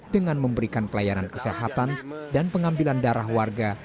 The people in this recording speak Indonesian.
dengan memberikan pelayanan kesehatan dan pengambilan darah warga